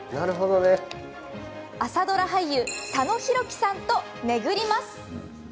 朝ドラ俳優佐野弘樹さんと巡ります。